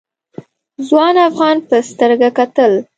ځوان افغان په سترګه کتل.